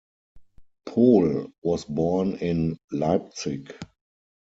Pohl was born in Leipzig.